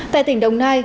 tại tỉnh đồng nai